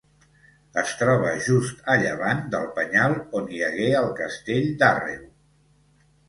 Es troba just a llevant del penyal on hi hagué el Castell d'Àrreu.